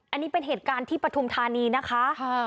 อันนี้เป็นเหตุการณ์ที่ปฐุมธานีนะคะ